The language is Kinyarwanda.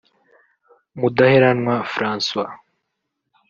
Mudaheranwa Francois